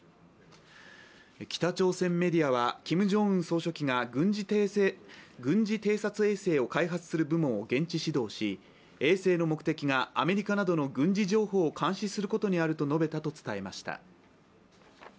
北朝鮮メディアはキム・ジョンウン総書記が軍事偵察衛星を開発する部門を現地視察し衛星の目的がアメリカなどの軍事情報を監視することにあると述べたと伝えました。